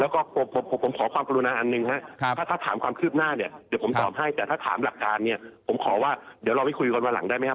แล้วก็ผมขอความกรุณาอันหนึ่งครับถ้าถามความคืบหน้าเนี่ยเดี๋ยวผมตอบให้แต่ถ้าถามหลักการเนี่ยผมขอว่าเดี๋ยวเราไปคุยกันวันหลังได้ไหมครับ